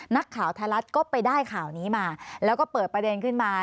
นักข่าวไทยรัฐก็ไปได้ข่าวนี้มาแล้วก็เปิดประเด็นขึ้นมา